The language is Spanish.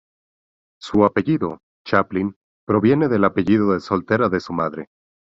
Su apellido, Chaplin, proviene del apellido de soltera de su madre.